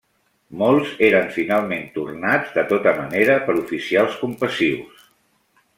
Molts eren finalment tornats de tota manera per oficials compassius.